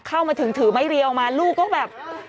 เข้ามาถึงถือไม้เรียวออกมาลูกก็แบบ